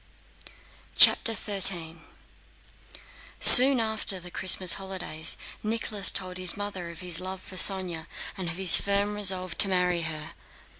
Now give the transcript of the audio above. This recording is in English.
CHAPTER XIII Soon after the Christmas holidays Nicholas told his mother of his love for Sónya and of his firm resolve to marry her.